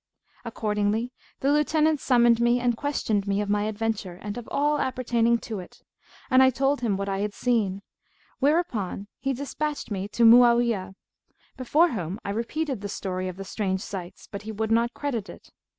Accordingly the lieutenant summoned me and questioned me of my adventure and of all appertaining to it; and I told him what I had seen, whereupon he despatched me to Mu'awiyah, before whom I repeated the story of the strange sights; but he would not credit it.